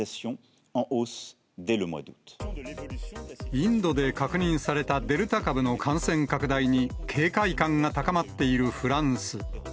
インドで確認されたデルタ株の感染拡大に、警戒感が高まっているフランス。